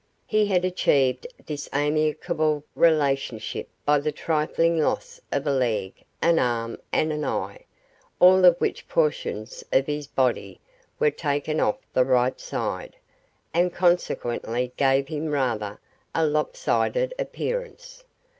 He had achieved this amicable relationship by the trifling loss of a leg, an arm, and an eye, all of which portions of his body were taken off the right side, and consequently gave him rather a lop sided appearance.